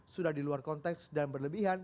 sudah di luar konteks dan berlebihan